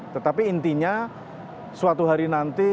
tetapi intinya suatu hari nanti